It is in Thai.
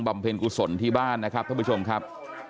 เพ็ญกุศลที่บ้านนะครับท่านผู้ชมครับ